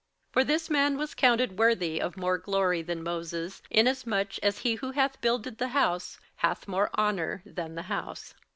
58:003:003 For this man was counted worthy of more glory than Moses, inasmuch as he who hath builded the house hath more honour than the house.